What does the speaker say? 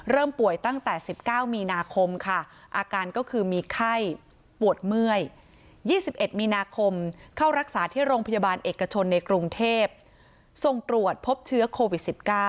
ป่วยตั้งแต่๑๙มีนาคมค่ะอาการก็คือมีไข้ปวดเมื่อย๒๑มีนาคมเข้ารักษาที่โรงพยาบาลเอกชนในกรุงเทพส่งตรวจพบเชื้อโควิด๑๙